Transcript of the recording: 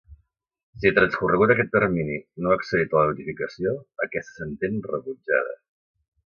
Si, transcorregut aquest termini, no heu accedit a la notificació, aquesta s'entén rebutjada.